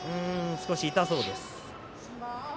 少し痛そうです。